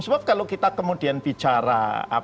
sebab kalau kita kemudian bicara